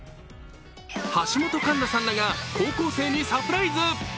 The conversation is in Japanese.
橋本環奈さんらが高校生にサプライズ。